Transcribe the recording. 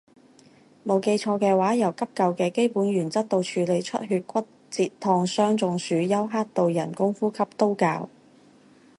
冇記錯嘅話由急救嘅基本原則到處理出血骨折燙傷中暑休克到人工呼吸都教